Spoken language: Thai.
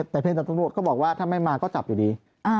แต่เพียงแต่ตำรวจก็บอกว่าถ้าไม่มาก็จับอยู่ดี